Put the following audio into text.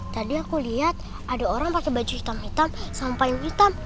tadi aku lihat ada orang pake baju hitam hitam sama panggung hitam